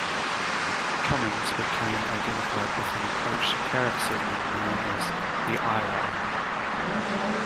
Cummins became identified with an approach to tariff-setting known as "the Iowa idea.